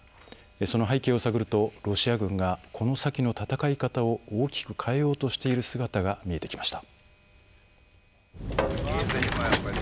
その背景を探るとロシア軍がこの先の戦い方を大きく変えようとしている姿が見えてきました。